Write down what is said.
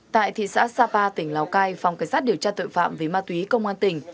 tại thị xã sapa tỉnh lào cai phòng cảnh sát điều tra tội phạm về ma túy công an tỉnh